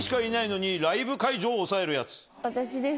私です。